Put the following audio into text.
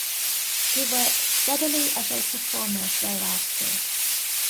He worked steadily as a performer thereafter.